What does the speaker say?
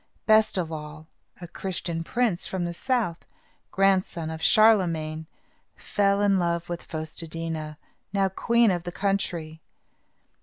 Best of all, a Christian prince from the south, grandson of Charlemagne, fell in love with Fos te dí na, now queen of the country.